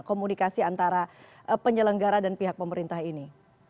komunikasi antara penyelenggara dan pihak pemerintah ini